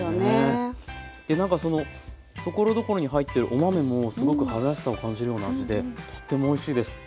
で何かそのところどころに入ってるお豆もすごく春らしさを感じるような味でとってもおいしいです。